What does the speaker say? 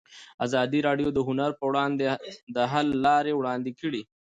ازادي راډیو د هنر پر وړاندې د حل لارې وړاندې کړي.